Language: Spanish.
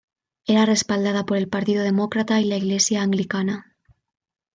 Era respaldada por el Partido Demócrata y la Iglesia anglicana.